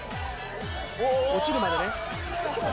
落ちるまでね。